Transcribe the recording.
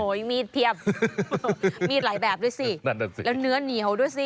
โอ้โหมีดเพียบมีดหลายแบบด้วยสิแล้วเนื้อเหนียวด้วยสิ